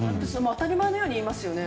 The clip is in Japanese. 当たり前のように言いますよね。